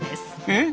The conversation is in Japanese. え？